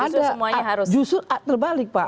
justu semuanya harus justu terbalik pak